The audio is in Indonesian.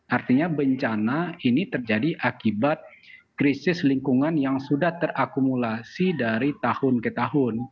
artinya bencana ini terjadi akibat krisis lingkungan yang sudah terakumulasi dari tahun ke tahun